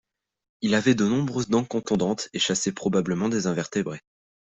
Il avait de nombreuses dents contondantes, et chassait probablement des invertébrés.